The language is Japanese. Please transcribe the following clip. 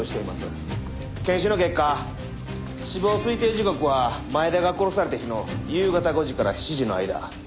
検視の結果死亡推定時刻は前田が殺された日の夕方５時から７時の間。